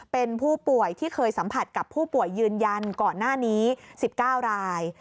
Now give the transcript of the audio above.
เป็นผู้ป่วยที่เคยสัมผัสกับผู้ป่วยยืนยันก่อนหน้านี้๑๙ราย